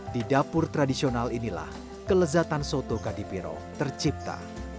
di dapur tradisional inilah kelezatan soto kadipiro tercipta